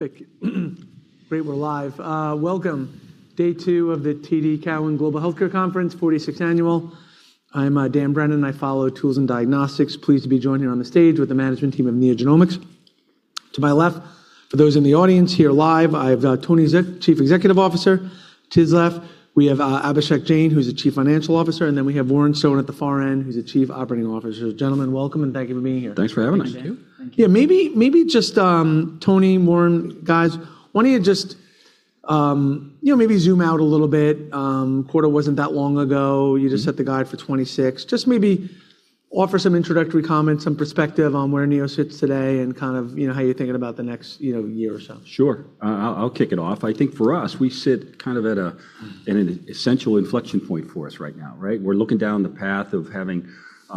Great. We're live. Welcome. Day two of the TD Cowen Global Healthcare Conference, 46th annual. I'm Dan Brennan. I follow tools and diagnostics. Pleased to be joined here on the stage with the management team of NeoGenomics. To my left, for those in the audience here live, I have Tony Zook, Chief Executive Officer. To his left, we have Abhishek Jain, who's the Chief Financial Officer, and then we have Warren Stone at the far end, who's the Chief Operating Officer. Gentlemen, welcome, and thank you for being here. Thanks for having us. Thank you. Yeah, maybe just, Tony, Warren, guys, why don't you just, you know, maybe zoom out a little bit. Quarter wasn't that long ago. You just set the guide for 2026. Just maybe offer some introductory comments, some perspective on where Neo sits today and kind of, you know, how you're thinking about the next, you know, year or so. Sure. I'll kick it off. I think for us, we sit kind of at an essential inflection point for us right now, right? We're looking down the path of having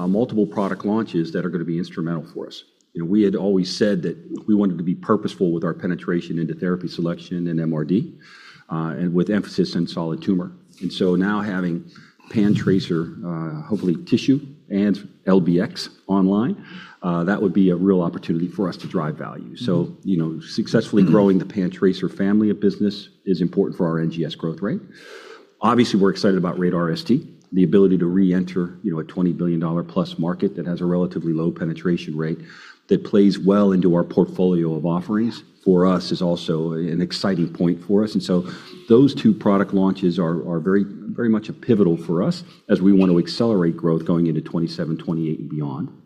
multiple product launches that are gonna be instrumental for us. You know, we had always said that we wanted to be purposeful with our penetration into therapy selection and MRD, and with emphasis in solid tumor. Now having PanTracer, hopefully tissue and LBx online, that would be a real opportunity for us to drive value. You know, successfully growing the PanTracer family of business is important for our NGS growth rate. Obviously, we're excited about RaDaR ST. The ability to reenter, you know, a $20+ billion market that has a relatively low penetration rate that plays well into our portfolio of offerings for us is also an exciting point for us. Those two product launches are very much pivotal for us as we want to accelerate growth going into 2027, 2028 and beyond.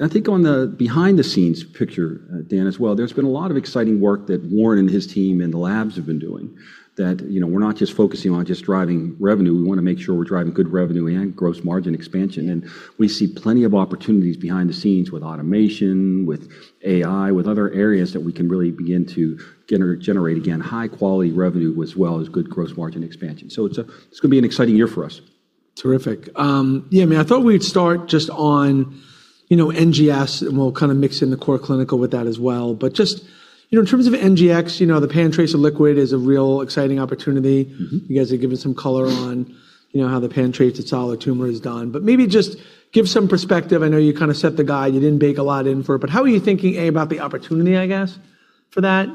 I think on the behind-the-scenes picture, Dan, as well, there's been a lot of exciting work that Warren and his team in the labs have been doing that, you know, we're not just focusing on driving revenue. We want to make sure we're driving good revenue and gross margin expansion. We see plenty of opportunities behind the scenes with automation, with AI, with other areas that we can really begin to generate, again, high-quality revenue as well as good gross margin expansion. It's gonna be an exciting year for us. Terrific. Yeah, I mean, I thought we'd start just on, you know, NGS, and we'll kind of mix in the core clinical with that as well. But just, you know, in terms of NGS, you know, the PanTracer liquid is a real exciting opportunity. You guys have given some color on, you know, how the PanTracer solid tumor has done. Maybe just give some perspective. I know you kind of set the guide. You didn't bake a lot in for it. How are you thinking, A, about the opportunity, I guess, for that?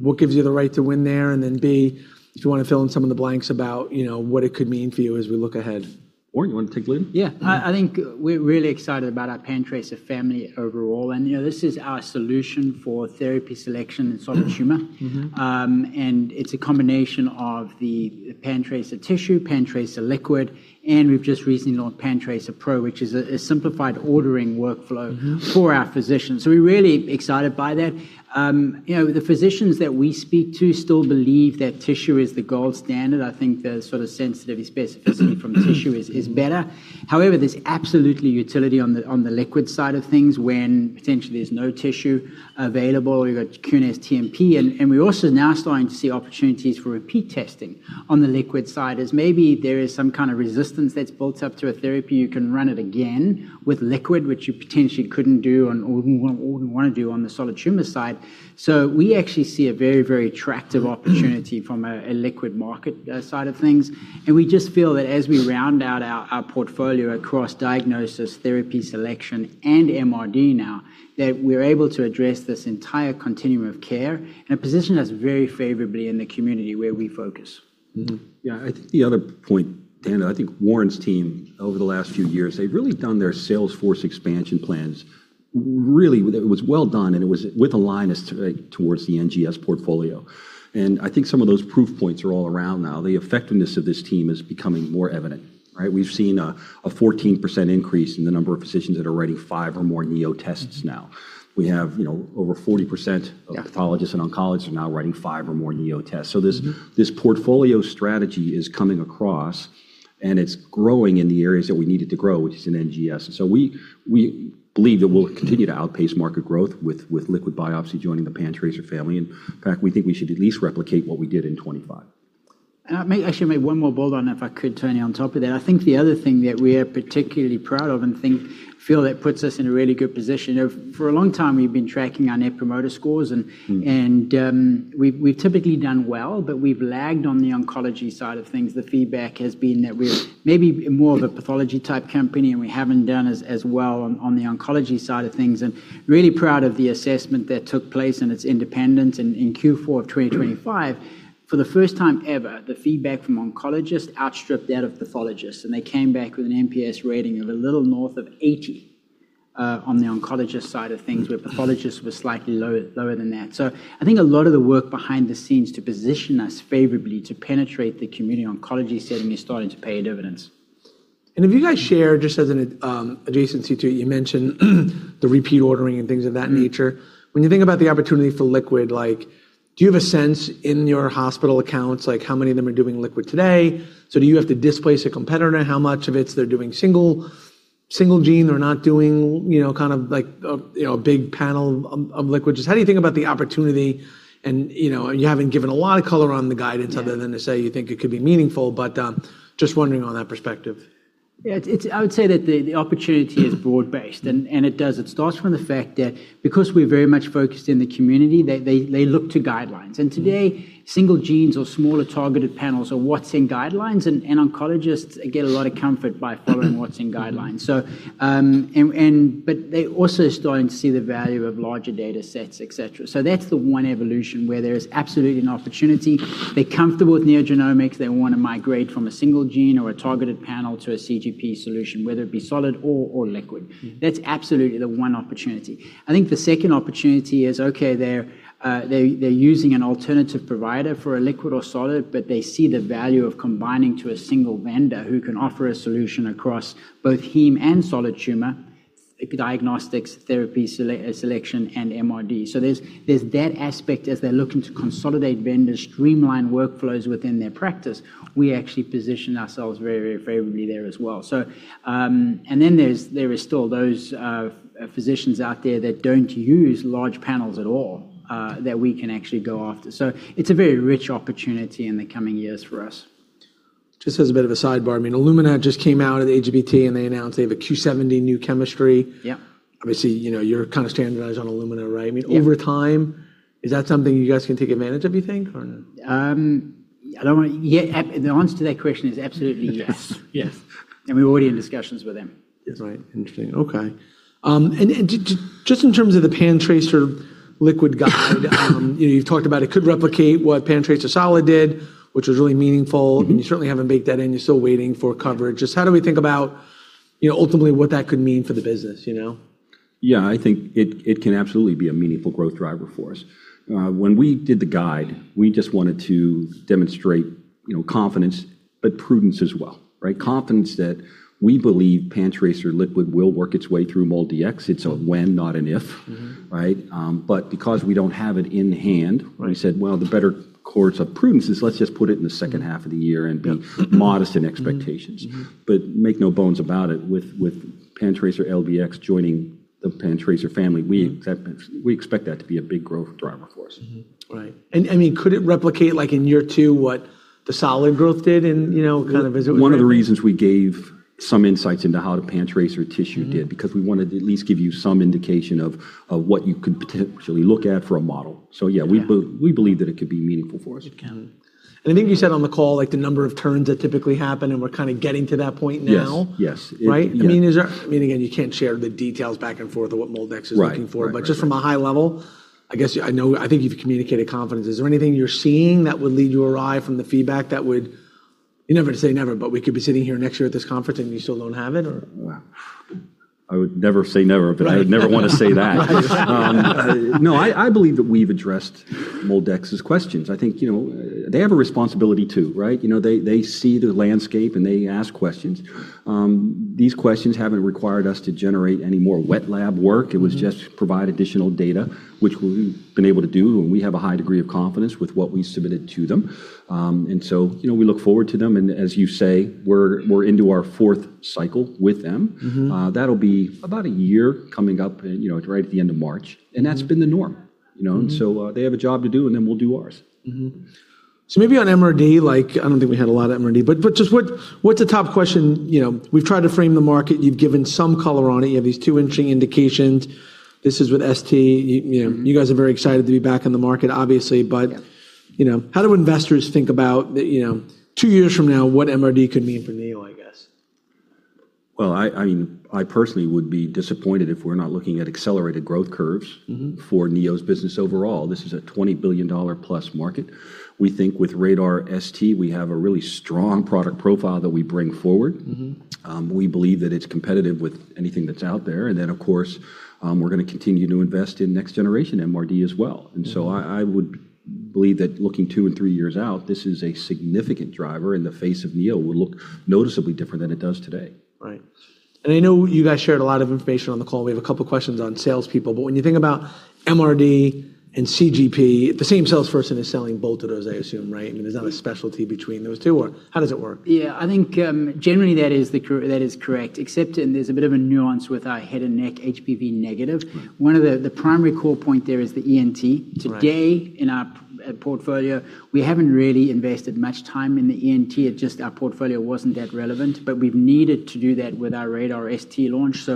What gives you the right to win there? Then, B, if you want to fill in some of the blanks about, you know, what it could mean for you as we look ahead. Warren, you want to take the lead? Yeah. I think we're really excited about our PanTracer family overall. You know, this is our solution for therapy selection in solid tumor. It's a combination of the PanTracer Tissue, PanTracer liquid, and we've just recently launched PanTracer Pro, which is a simplified ordering workflow. for our physicians. We're really excited by that. you know, the physicians that we speak to still believe that tissue is the gold standard. I think the sort of sensitivity specificity from the tissue is better. However, there's absolutely utility on the liquid side of things when potentially there's no tissue available. You've got QNS TMP. We're also now starting to see opportunities for repeat testing on the liquid side, as maybe there is some kind of resistance that's built up to a therapy. You can run it again with liquid, which you potentially couldn't do and wouldn't want to do on the solid tumor side. We actually see a very, very attractive opportunity from a liquid market side of things. We just feel that as we round out our portfolio across diagnosis, therapy selection, and MRD now, that we're able to address this entire continuum of care and position us very favorably in the community where we focus. Yeah. I think the other point, Dan, that I think Warren's team over the last few years, they've really done their sales force expansion plans really it was well done, and it was with a line as to, towards the NGS portfolio. I think some of those proof points are all around now. The effectiveness of this team is becoming more evident, right? We've seen a 14% increase in the number of physicians that are writing five or more Neo tests now. We have, you know, over 40%. Yeah. of pathologists and oncologists are now writing five or more NEO tests. This portfolio strategy is coming across, and it's growing in the areas that we need it to grow, which is in NGS. We believe that we'll continue to outpace market growth with liquid biopsy joining the PanTracer family. In fact, we think we should at least replicate what we did in 2025. I may actually make one more bold on that, if I could, Tony, on top of that. I think the other thing that we are particularly proud of and think, feel that puts us in a really good position of, for a long time, we've been tracking our Net Promoter Scores. We've typically done well, but we've lagged on the oncology side of things. The feedback has been that we're maybe more of a pathology-type company, and we haven't done as well on the oncology side of things. Really proud of the assessment that took place and its independence in Q4 of 2025. For the first time ever, the feedback from oncologists outstripped that of pathologists, and they came back with an NPS rating of a little north of 80 on the oncologist side of things, where pathologists were slightly lower than that. I think a lot of the work behind the scenes to position us favorably to penetrate the community oncology setting is starting to pay dividends. If you guys share, just as an adjacency to it, you mentioned the repeat ordering and things of that nature. When you think about the opportunity for liquid, like, do you have a sense in your hospital accounts, like how many of them are doing liquid today? Do you have to displace a competitor? How much of it's they're doing single gene? They're not doing, you know, kind of like a, you know, a big panel of liquid. How do you think about the opportunity and, you know, you haven't given a lot of color on the guidance? Yeah. other than to say you think it could be meaningful, but, just wondering on that perspective. It's I would say that the opportunity is broad-based and it does. It starts from the fact that because we're very much focused in the community, they look to guidelines. Today, single genes or smaller targeted panels are what's in guidelines and oncologists get a lot of comfort by following what's in guidelines. But they're also starting to see the value of larger datasets, et cetera. That's the one evolution where there is absolutely an opportunity. They're comfortable with NeoGenomics. They wanna migrate from a single gene or a targeted panel to a CGP solution, whether it be solid or liquid. That's absolutely the one opportunity. I think the second opportunity is, okay, they're using an alternative provider for a liquid or solid, but they see the value of combining to a single vendor who can offer a solution across both heme and solid tumor, like diagnostics, therapy selection, and MRD. There's that aspect as they're looking to consolidate vendors, streamline workflows within their practice. We actually position ourselves very, very favorably there as well. There is still those physicians out there that don't use large panels at all, that we can actually go after. It's a very rich opportunity in the coming years for us. Just as a bit of a sidebar, I mean, Illumina just came out at AGBT, they announced they have a Q70 new chemistry. Yep. Obviously, you know, you're kind of standardized on Illumina, right? Yeah. I mean, over time, is that something you guys can take advantage of, you think, or no? Yeah, the answer to that question is absolutely yes. Yes. We're already in discussions with them. Yes. Right. Interesting. Okay. Just in terms of the PanTracer liquid, you know, you've talked about it could replicate what PanTracer solid did, which was really meaningful. You certainly haven't baked that in. You're still waiting for coverage. Just how do we think about, you know, ultimately what that could mean for the business, you know? Yeah. I think it can absolutely be a meaningful growth driver for us. When we did the guide, we just wanted to demonstrate, you know, confidence but prudence as well, right? Confidence that we believe PanTracer liquid will work its way through MolDX. It's a when, not an if. Right? because we don't have it in hand Right. We said, "Well, the better course of prudence is let's just put it in the second half of the year and be modest in expectations. make no bones about it. With PanTracer LBx joining the PanTracer family, we expect that to be a big growth driver for us. Right. I mean, could it replicate like in year two what the solid growth did and, you know, kind of as it was? One of the reasons we gave some insights into how the PanTracer Tissue. because we wanted to at least give you some indication of what you could potentially look at for a model. Yeah We believe that it could be meaningful for us. It can. I think you said on the call, like the number of turns that typically happen, and we're kinda getting to that point now. Yes. Yes. It, yeah. Right? I mean, is there, I mean, again, you can't share the details back and forth of what MolDX is looking for. Right. Just from a high level, I guess, I think you've communicated confidence. Is there anything you're seeing that would lead you awry from the feedback that would. You never say never, but we could be sitting here next year at this conference, and you still don't have it or Wow. I would never say never- Right. I would never wanna say that. No, I believe that we've addressed MolDX's questions. I think, you know, they have a responsibility too, right? You know, they see the landscape, and they ask questions. These questions haven't required us to generate any more wet lab work. It was just provide additional data, which we've been able to do, and we have a high degree of confidence with what we submitted to them. You know, we look forward to them, and as you say, we're into our fourth cycle with them. That'll be about a year coming up, and, you know, right at the end of March. That's been the norm, you know? They have a job to do, and then we'll do ours. Maybe on MRD, like, I don't think we had a lot of MRD, but just what's the top question? You know, we've tried to frame the market. You've given some color on it. You have these two interesting indications. This is with ST. You know. You guys are very excited to be back in the market, obviously. Yeah. You know, how do investors think about the, you know, two years from now, what MRD could mean for Neo, I guess? Well, I mean, I personally would be disappointed if we're not looking at accelerated growth curves. for Neo's business overall. This is a $20+ billion market. We think with RaDaR ST, we have a really strong product profile that we bring forward. We believe that it's competitive with anything that's out there. Of course, we're gonna continue to invest in next generation MRD as well. I would believe that looking two and three years out, this is a significant driver, and the face of Neo will look noticeably different than it does today. Right. I know you guys shared a lot of information on the call. We have a couple questions on salespeople, when you think about MRD and CGP, the same salesperson is selling both of those, I assume, right? I mean, there's not a specialty between those two, or how does it work? Yeah. I think, generally that is correct, except, there's a bit of a nuance with our head and neck HPV negative. Right. One of the primary core point there is the ENT. Right. Today, in our portfolio, we haven't really invested much time in the ENT. It just, our portfolio wasn't that relevant, but we've needed to do that with our RaDaR ST launch.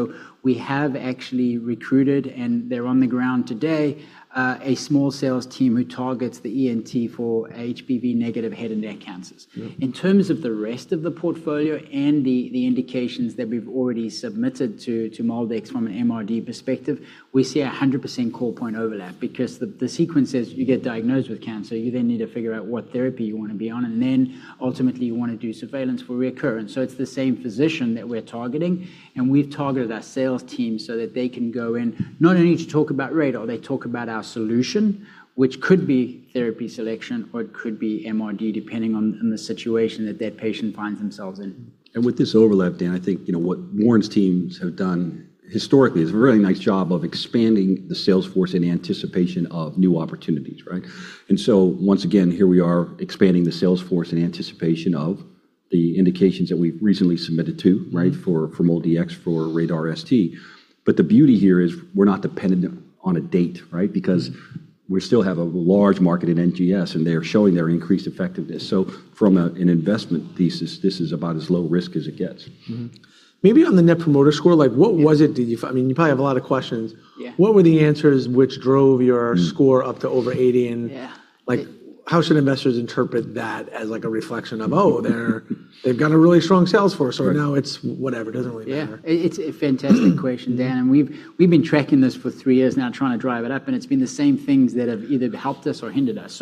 We have actually recruited, and they're on the ground today, a small sales team who targets the ENT for HPV negative head and neck cancers. Yeah. In terms of the rest of the portfolio and the indications that we've already submitted to MolDX from an MRD perspective, we see 100% core point overlap because the sequence is you get diagnosed with cancer. You need to figure out what therapy you wanna be on, and ultimately you wanna do surveillance for recurrence. It's the same physician that we're targeting, and we've targeted our sales team so that they can go in not only to talk about RaDaR, they talk about our solution, which could be therapy selection, or it could be MRD, depending on the situation that that patient finds themselves in. With this overlap, Dan, I think, you know, what Warren's teams have done historically is a really nice job of expanding the sales force in anticipation of new opportunities, right? Once again, here we are expanding the sales force in anticipation of the indications that we've recently submitted to, right? For MolDX, for RaDaR ST. The beauty here is we're not dependent on a date, right? We still have a large market in NGS, and they are showing their increased effectiveness. From an investment thesis, this is about as low risk as it gets. Maybe on the Net Promoter Score, like what was it? Did you I mean, you probably have a lot of questions? Yeah. What were the answers which drove your score up to over 80? Yeah. Like how should investors interpret that as like a reflection of, "Oh, they're, they've got a really strong sales force," or no, it's whatever, it doesn't really matter? Yeah. It's a fantastic question, Dan, and we've been tracking this for three years now trying to drive it up, and it's been the same things that have either helped us or hindered us.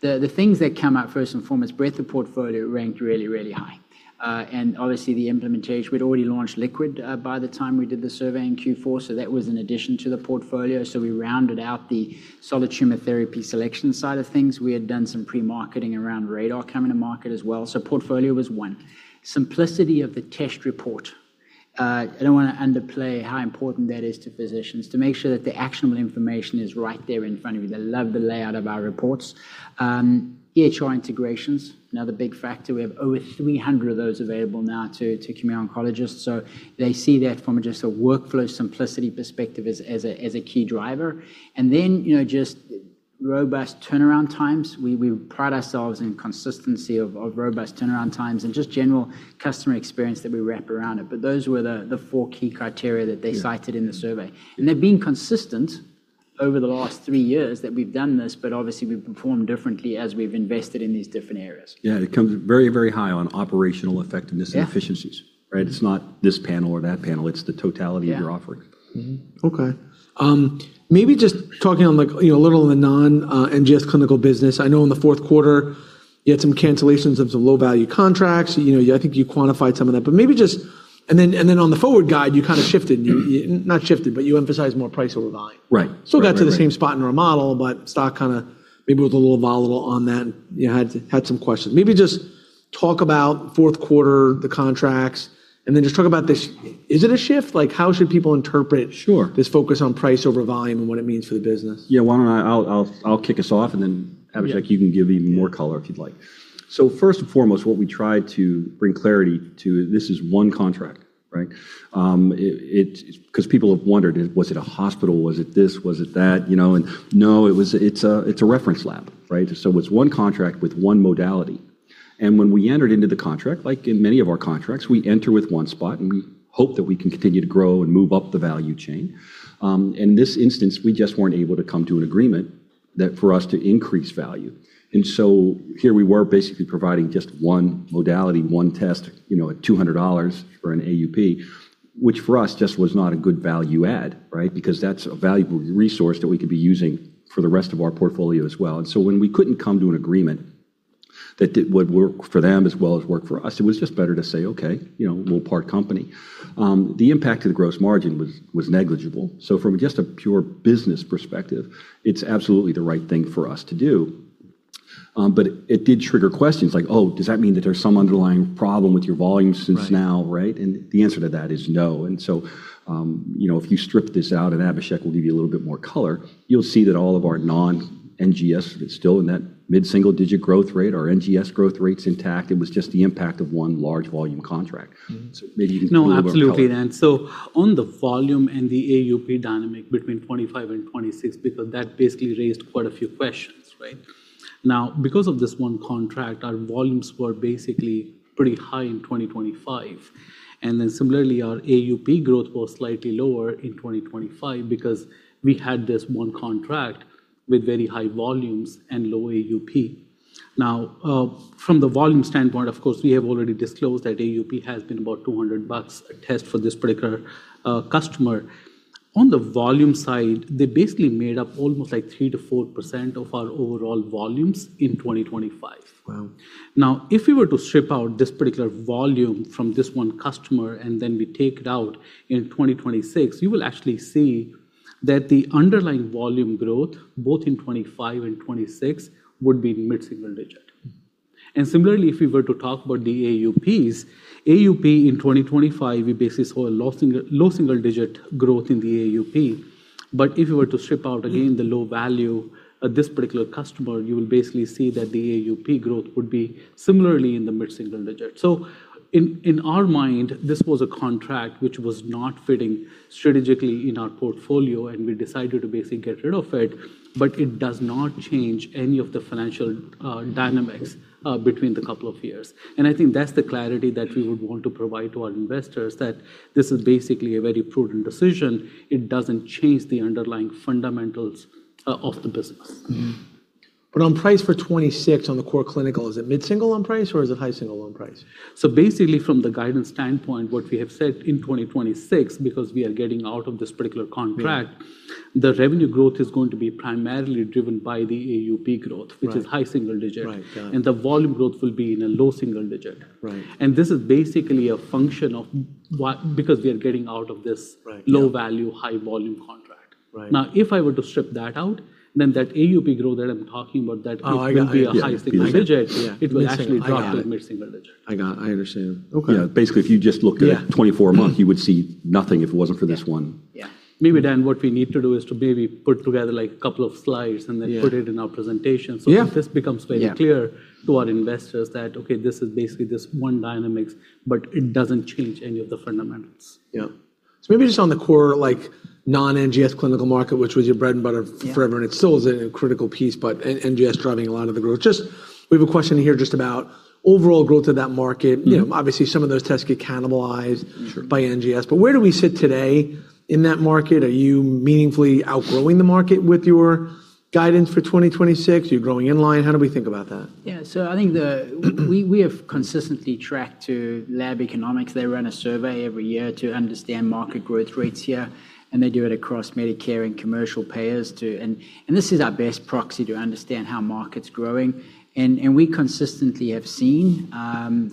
The things that come out first and foremost, breadth of portfolio ranked really, really high. Obviously the implementation, we'd already launched Liquid by the time we did the survey in Q4, that was an addition to the portfolio. We rounded out the solid tumor therapy selection side of things. We had done some pre-marketing around RaDaR coming to market as well. Portfolio was 1. Simplicity of the test report. I don't want to underplay how important that is to physicians to make sure that the actionable information is right there in front of you. They love the layout of our reports. EHR integrations, another big factor. We have over 300 of those available now to community oncologists. They see that from just a workflow simplicity perspective as a key driver. Then, you know, just robust turnaround times. We pride ourselves in consistency of robust turnaround times and just general customer experience that we wrap around it. Those were the four key criteria that they cited in the survey. They've been consistent over the last three years that we've done this, but obviously we've performed differently as we've invested in these different areas. Yeah. It comes very, very high on operational effectiveness- Yeah And efficiencies, right? It's not this panel or that panel. It's the totality of your offering. Okay. Maybe just talking on like, you know, a little on the non-NGS clinical business. I know in the fourth quarter you had some cancellations of some low-value contracts. You know, I think you quantified some of that. Maybe just. Then, and then on the forward guide, you kind of shifted. You not shifted, but you emphasized more price over volume. Right. Still got to the same spot in our model, stock kinda maybe was a little volatile on that, you know, had some questions. Maybe just talk about fourth quarter, the contracts, then just talk about this, is it a shift? Like how should people interpret? Sure This focus on price over volume and what it means for the business? Yeah. Why don't I'll kick us off and then Abhishek you can give even more color if you'd like. First and foremost, what we try to bring clarity to, this is one contract, right? 'cause people have wondered, was it a hospital? Was it this? Was it that? You know, and no, it's a, it's a reference lab, right? It's one contract with one modality. When we entered into the contract, like in many of our contracts, we enter with one spot, and we hope that we can continue to grow and move up the value chain. In this instance, we just weren't able to come to an agreement that for us to increase value. Here we were basically providing just one modality, one test, you know, at $200 for an AUP, which for us just was not a good value add, right? Because that's a valuable resource that we could be using for the rest of our portfolio as well. When we couldn't come to an agreement that would work for them as well as work for us, it was just better to say, "Okay, you know, we'll part company." The impact to the gross margin was negligible. From just a pure business perspective, it's absolutely the right thing for us to do. It did trigger questions like, "Oh, does that mean that there's some underlying problem with your volume since now? Right. Right? The answer to that is no. You know, if you strip this out, Abhishek will give you a little bit more color, you'll see that all of our non-NGS is still in that mid-single digit growth rate. Our NGS growth rate's intact. It was just the impact of one large volume contract. Maybe you can give a little more color. No, absolutely, Dan. On the volume and the AUP dynamic between 2025 and 2026, because that basically raised quite a few questions, right? Now, because of this one contract, our volumes were basically pretty high in 2025. Similarly, our AUP growth was slightly lower in 2025 because we had this one contract with very high volumes and low AUP. Now, from the volume standpoint, of course, we have already disclosed that AUP has been about $200 a test for this particular customer. On the volume side, they basically made up almost like 3%-4% of our overall volumes in 2025. Wow. If we were to strip out this particular volume from this one customer, then we take it out in 2026, you will actually see that the underlying volume growth, both in 25 and 26, would be mid-single digit. Similarly, if we were to talk about the AUPs, AUP in 2025, we basically saw a low single-digit growth in the AUP. If you were to strip out again the low value of this particular customer, you will basically see that the AUP growth would be similarly in the mid-single digit. In our mind, this was a contract which was not fitting strategically in our portfolio, we decided to basically get rid of it. It does not change any of the financial dynamics between the couple of years. I think that's the clarity that we would want to provide to our investors, that this is basically a very prudent decision. It doesn't change the underlying fundamentals of the business. On price for 2026 on the core clinical, is it mid-single on price or is it high single on price? Basically from the guidance standpoint, what we have said in 2026, because we are getting out of this particular contract. Yeah The revenue growth is going to be primarily driven by the AUP growth. Right which is high single digit. Right. Yeah. The volume growth will be in a low single digit. Right. This is basically a function of because we are getting out of this. Right. low value, high volume contract. Right. If I were to strip that out, then that AUP growth that I'm talking about. I got it. I understand will be a high single digit. Yeah. It will actually drop to mid-single digit. I got it. I understand. Okay. Yeah. Basically, if you just looked at- Yeah 24 month, you would see nothing if it wasn't for this one. Yeah. Maybe, Dan, what we need to do is to maybe put together like a couple of slides and then. Yeah Put it in our presentation. Yeah This becomes very clear. Yeah To our investors that, okay, this is basically this one dynamics, but it doesn't change any of the fundamentals. Yeah. Maybe just on the core, like non-NGS clinical market, which was your bread and butter. Yeah. Forever, and it still is a critical piece, but NGS driving a lot of the growth. Just we have a question here just about overall growth of that market. You know, obviously some of those tests get cannibalized. Sure. by NGS, but where do we sit today in that market? Are you meaningfully outgrowing the market with your guidance for 2026? Are you growing in line? How do we think about that? We have consistently tracked to Laboratory Economics. They run a survey every year to understand market growth rates here, and they do it across Medicare and commercial payers too. This is our best proxy to understand how market's growing. We consistently have seen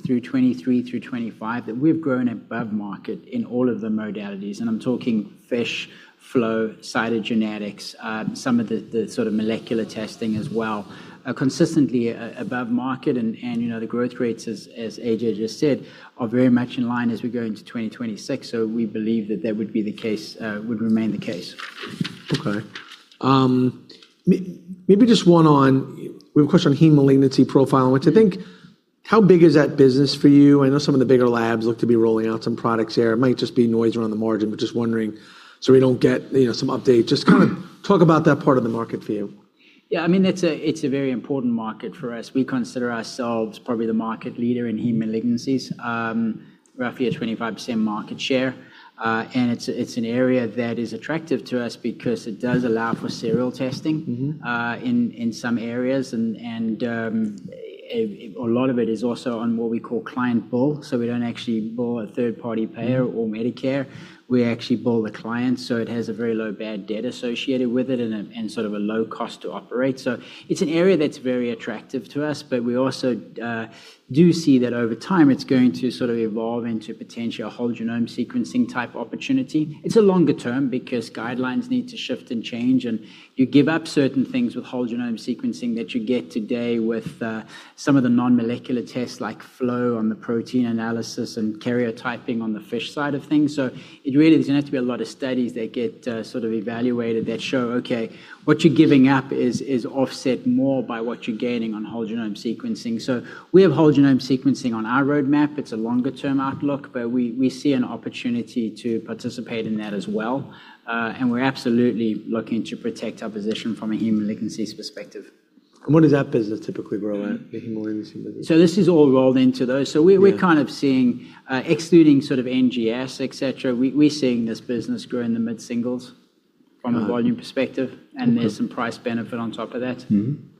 through 2023 through 2025 that we've grown above market in all of the modalities. I'm talking FISH, flow, cytogenetics, some of the sort of molecular testing as well, consistently above market. You know, the growth rates as AJ just said, are very much in line as we go into 2026. We believe that that would be the case, would remain the case. Okay. Maybe just one on. We have a question on heme malignancy profiling, which I think how big is that business for you? I know some of the bigger labs look to be rolling out some products here. It might just be noise around the margin, but just wondering so we don't get, you know, some update. Just kinda talk about that part of the market for you. Yeah. I mean, it's a very important market for us. We consider ourselves probably the market leader in hematologic malignancies, roughly a 25% market share. It's an area that is attractive to us because it does allow for serial testing. in some areas. A lot of it is also on what we call client bill. We don't actually bill a third-party payer or Medicare. We actually bill the client. It has a very low bad debt associated with it and sort of a low cost to operate. It's an area that's very attractive to us, but we also do see that over time it's going to sort of evolve into potentially a whole-genome sequencing type opportunity. It's a longer term because guidelines need to shift and change, and you give up certain things with whole-genome sequencing that you get today with some of the non-molecular tests like flow on the protein analysis and karyotyping on the FISH side of things. It really, there's gonna have to be a lot of studies that get sort of evaluated that show, okay, what you're giving up is offset more by what you're gaining on whole-genome sequencing. We have whole-genome sequencing on our roadmap. It's a longer term outlook, but we see an opportunity to participate in that as well. We're absolutely looking to protect our position from a hematologic malignancies perspective. What does that business typically grow at, the heme malignancy business? This is all rolled into those. Yeah. We're kind of seeing, excluding sort of NGS, et cetera, we're seeing this business grow in the mid-singles. from a volume perspective. Okay. There's some price benefit on top of that.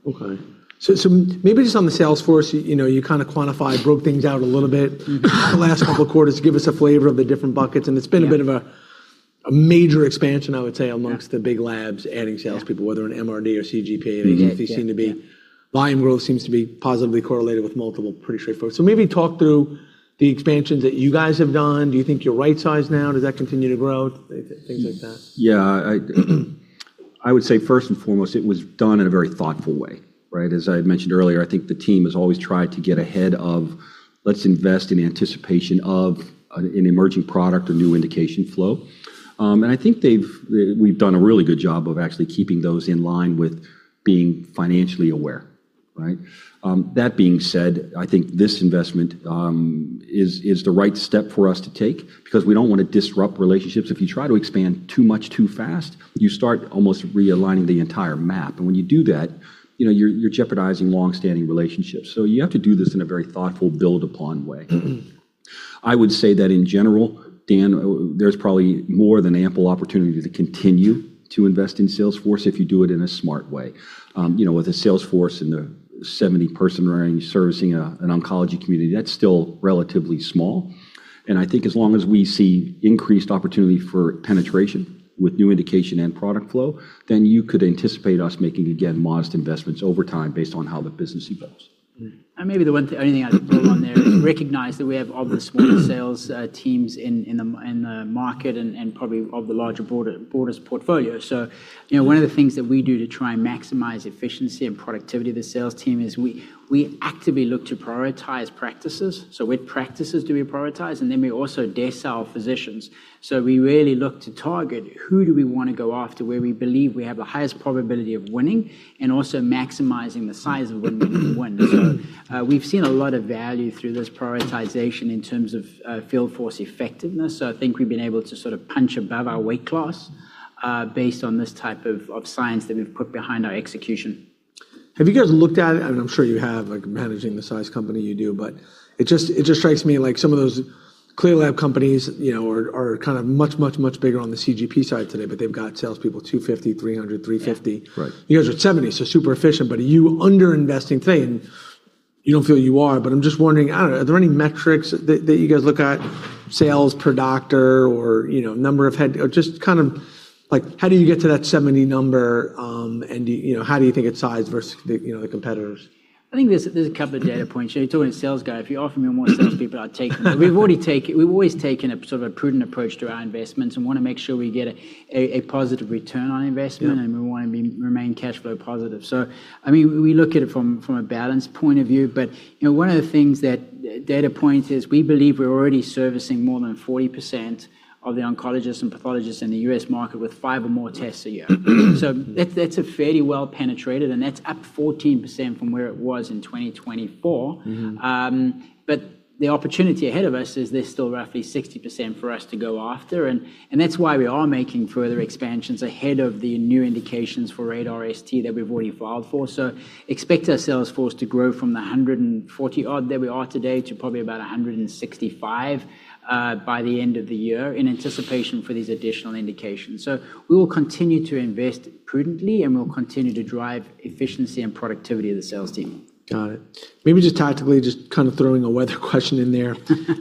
Okay. Maybe just on the sales force, you know, you kinda quantified, broke things out a little bit. The last couple of quarters to give us a flavor of the different buckets, and it's been a bit of a major expansion, I would say. Yeah. amongst the big labs adding sales people Yeah. whether in MRD or CGP. Yeah. Yeah. Yeah. Volume growth seems to be positively correlated with multiple pretty straightforward. Maybe talk through the expansions that you guys have done. Do you think you're right-sized now? Does that continue to grow? Things like that. Yeah. I would say first and foremost, it was done in a very thoughtful way, right? As I had mentioned earlier, I think the team has always tried to get ahead of let's invest in anticipation of an emerging product or new indication flow. I think we've done a really good job of actually keeping those in line with being financially aware, right? That being said, I think this investment is the right step for us to take because we don't wanna disrupt relationships. If you try to expand too much too fast, you start almost realigning the entire map. When you do that, you know, you're jeopardizing long-standing relationships. You have to do this in a very thoughtful build-upon way. I would say that in general, Dan, there's probably more than ample opportunity to continue to invest in sales force if you do it in a smart way. You know, with a sales force in the 70 person range servicing a, an oncology community, that's still relatively small. I think as long as we see increased opportunity for penetration with new indication and product flow, you could anticipate us making, again, modest investments over time based on how the business evolves. Maybe the only thing I'd put on there is recognize that we have obviously sales teams in the market and probably of the larger, broader, broadest portfolio. You know, one of the things that we do to try and maximize efficiency and productivity of the sales team is we actively look to prioritize practices. Which practices do we prioritize, and then we also desk sell physicians. We really look to target who do we wanna go after, where we believe we have the highest probability of winning and also maximizing the size of when we win. We've seen a lot of value through this prioritization in terms of field force effectiveness. I think we've been able to sort of punch above our weight class, based on this type of science that we've put behind our execution. Have you guys looked at, and I'm sure you have, like managing the size company you do, but it just strikes me like some of those clear lab companies, you know, are kind of much bigger on the CGP side today, but they've got salespeople 250, 300, 350. You guys are at 70, so super efficient, but are you underinvesting today? You don't feel you are, but I'm just wondering, I don't know, are there any metrics that you guys look at, sales per doctor or, you know, number of head, or just kind of like how do you get to that 70 number, and do you know, how do you think it's sized versus the, you know, the competitors? I think there's a couple of data points. You know, you're talking to a sales guy. If you offer me more sales people, I'll take them. We've always taken a sort of a prudent approach to our investments and wanna make sure we get a positive return on investment. Yeah. We wanna remain cash flow positive. I mean, we look at it from a balance point of view. You know, one of the things that. Data point is we believe we're already servicing more than 40% of the oncologists and pathologists in the U.S. market with 5 or more tests a year. That's a fairly well penetrated. That's up 14% from where it was in 2024. The opportunity ahead of us is there's still roughly 60% for us to go after, and that's why we are making further expansions ahead of the new indications for RaDaR ST that we've already filed for. Expect our sales force to grow from the 140 odd that we are today to probably about 165 by the end of the year in anticipation for these additional indications. We will continue to invest prudently, and we'll continue to drive efficiency and productivity of the sales team. Got it. Maybe just tactically, just kinda throwing a weather question in there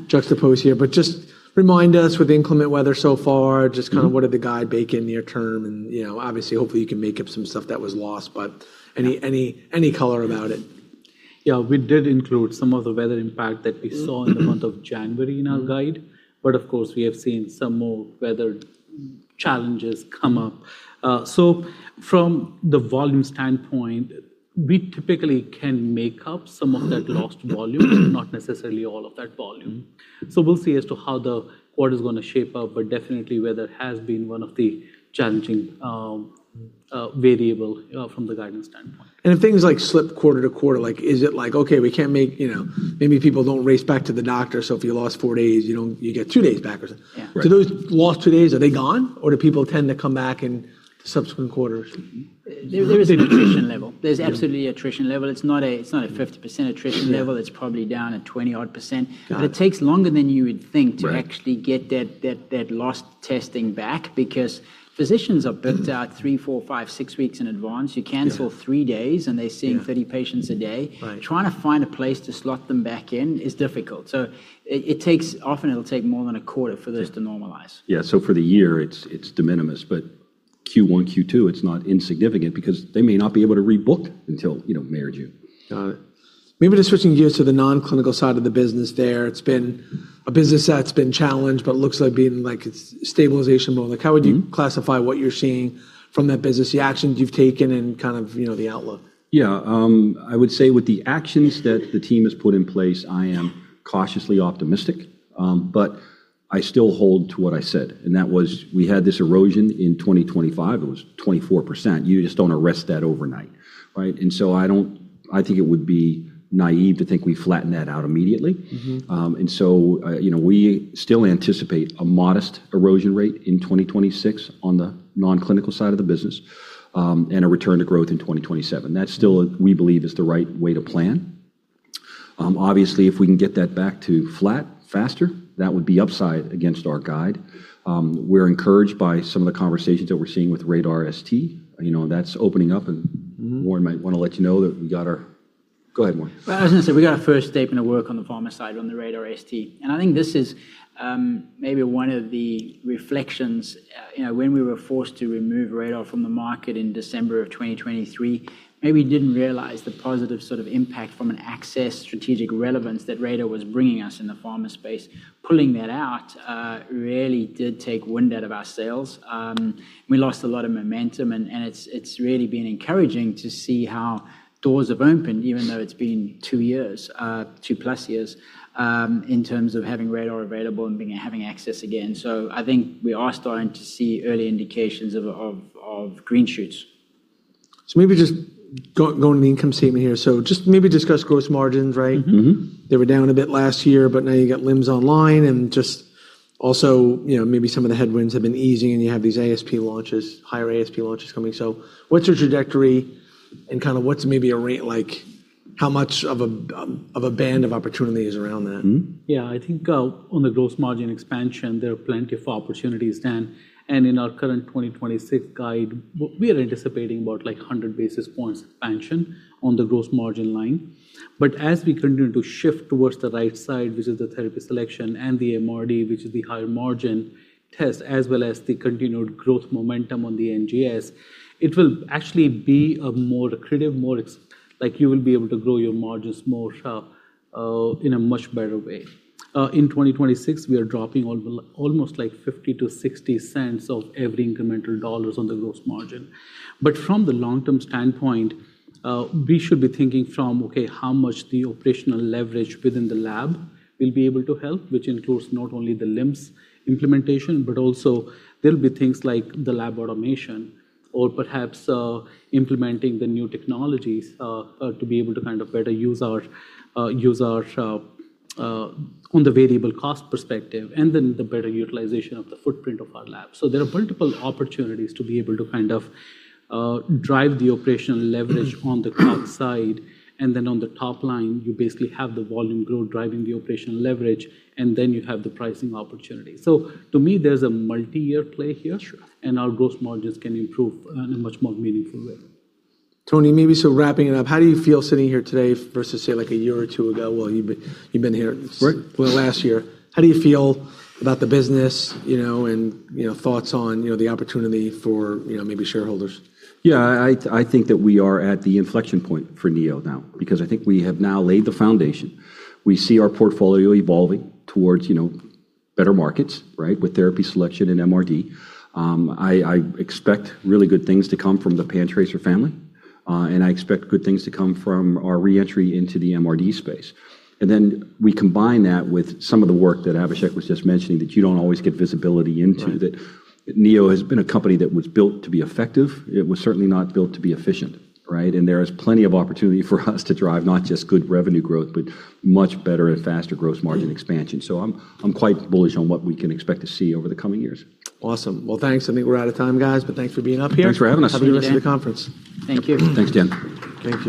juxtaposed here. Just remind us with the inclement weather so far, just kinda what are the guide bake in near term and, you know, obviously, hopefully you can make up some stuff that was lost, but any color about it? Yeah. We did include some of the weather impact that we saw, in the month of January in our guide. Of course, we have seen some more weather challenges come up. From the volume standpoint, we typically can make up some of that lost volume, not necessarily all of that volume. We'll see as to how the quarter's going to shape up, but definitely weather has been one of the challenging variable from the guidance standpoint. If things like slip quarter to quarter, like, is it like, okay, we can't make maybe people don't race back to the doctor, so if you lost 4 days, you get 2 days back or something. Yeah. Right. Those lost two days, are they gone, or do people tend to come back in the subsequent quarters? There is attrition level. There's absolutely attrition level. It's not a 50% attrition level. Yeah. It's probably down at 20 odd percent. Got it. It takes longer than you would think. Right. to actually get that lost testing back because physicians are booked out three, four, five, six weeks in advance. Yeah. You cancel three days, and they're seeing- Yeah 30 patients a day. Right. Trying to find a place to slot them back in is difficult. It'll take more than a quarter for this to normalize. Yeah. For the year, it's de minimis, but Q one, Q two, it's not insignificant because they may not be able to rebook until, you know, May or June. Got it. Maybe just switching gears to the non-clinical side of the business there. It's been a business that's been challenged but looks like being, like it's stabilization mode. Like how would you. Classify what you're seeing from that business, the actions you've taken and kind of, you know, the outlook? Yeah. I would say with the actions that the team has put in place, I am cautiously optimistic. But I still hold to what I said, and that was we had this erosion in 2025. It was 24%. You just don't arrest that overnight, right? I think it would be naive to think we flatten that out immediately. you know, we still anticipate a modest erosion rate in 2026 on the non-clinical side of the business, and a return to growth in 2027. That still, we believe, is the right way to plan. Obviously, if we can get that back to flat faster, that would be upside against our guide. We're encouraged by some of the conversations that we're seeing with RaDaR ST. You know, that's opening up. Warren might wanna let you know that we got our, go ahead, Warren. Well, I was gonna say, we got our first statement of work on the pharma side on the RaDaR ST. I think this is maybe one of the reflections. You know, when we were forced to remove RaDaR from the market in December of 2023, maybe we didn't realize the positive sort of impact from an access strategic relevance that RaDaR was bringing us in the pharma space. Pulling that out really did take wind out of our sails. We lost a lot of momentum and it's really been encouraging to see how doors have opened even though it's been two years, 2+ years, in terms of having RaDaR available and having access again. I think we are starting to see early indications of green shoots. Maybe just go into the income statement here. Just maybe discuss gross margins, right? They were down a bit last year, but now you got LIMS online and just also, you know, maybe some of the headwinds have been easing, and you have these ASP launches, higher ASP launches coming. What's your trajectory and kinda what's maybe a like, how much of a of a band of opportunity is around that? Yeah. I think, on the gross margin expansion, there are plenty of opportunities. In our current 2026 guide, we are anticipating about like 100 basis points expansion on the gross margin line. As we continue to shift towards the right side, which is the therapy selection and the MRD, which is the higher margin test, as well as the continued growth momentum on the NGS, it will actually be a more accretive, you will be able to grow your margins more sharp in a much better way. In 2026, we are dropping almost like $0.50-$0.60 of every incremental dollars on the gross margin. From the long-term standpoint, we should be thinking from, okay, how much the operational leverage within the lab will be able to help, which includes not only the LIMS implementation, but also there'll be things like the lab automation or perhaps implementing the new technologies to be able to kind of better use our on the variable cost perspective, and then the better utilization of the footprint of our lab. There are multiple opportunities to be able to kind of drive the operational leverage on the cost side. On the top line, you basically have the volume growth driving the operational leverage, and then you have the pricing opportunity. To me, there's a multi-year play here. Sure Our gross margins can improve in a much more meaningful way. Tony, maybe wrapping it up, how do you feel sitting here today versus say like a year or two ago? Well, you've been here. Right Well, last year. How do you feel about the business, you know, and, you know, thoughts on, you know, the opportunity for, you know, maybe shareholders? I think that we are at the inflection point for Neo now because I think we have now laid the foundation. We see our portfolio evolving towards, you know, better markets, right, with therapy selection and MRD. I expect really good things to come from the PanTracer family, and I expect good things to come from our re-entry into the MRD space. We combine that with some of the work that Abhishek was just mentioning that you don't always get visibility into. Right That Neo has been a company that was built to be effective. It was certainly not built to be efficient, right? There is plenty of opportunity for us to drive not just good revenue growth, but much better and faster gross margin expansion. I'm quite bullish on what we can expect to see over the coming years. Awesome. Well, thanks. I think we're out of time, guys, but thanks for being up here. Thanks for having us. Have a good rest of your conference. Thank you. Thanks, Dan. Thank you.